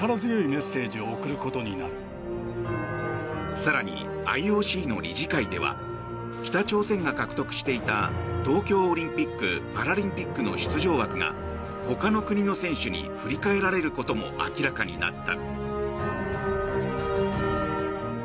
更にＩＯＣの理事会では北朝鮮が獲得していた東京オリンピック・パラリンピックの出場枠が他の国の選手に振り替えられることも明らかになった。